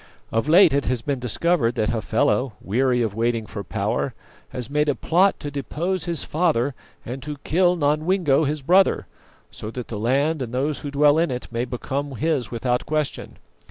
Of late it has been discovered that Hafela, weary of waiting for power, has made a plot to depose his father and to kill Nodwengo, his brother, so that the land and those who dwell in it may become his without question.